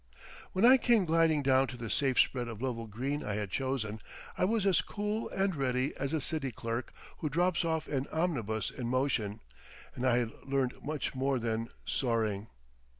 When I came gliding down to the safe spread of level green I had chosen, I was as cool and ready as a city clerk who drops off an omnibus in motion, and I had learnt much more than soaring.